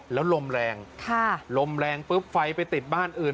แล้วลมแรงลมแรงปุ๊บไฟไปติดบ้านอื่น